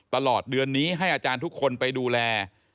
ตลอดเดือนนี้ให้อาจารย์ทุกคนไปดูแล